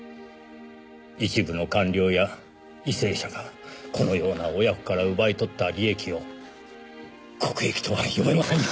一部の官僚や為政者がこのような親子から奪い取った利益を国益とは呼べませんよ